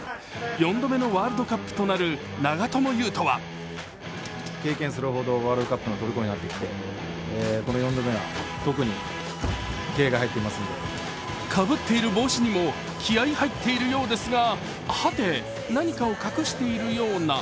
４度目のワールドカップとなる長友佑都はかぶっている帽子にも気合い入っているようですがはて、何かを隠しているような。